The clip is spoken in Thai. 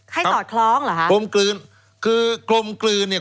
สอดคล้องเหรอฮะกลมกลืนคือกลมกลืนเนี่ย